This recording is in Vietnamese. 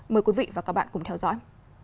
mời quý vị và các bạn cùng theo dõi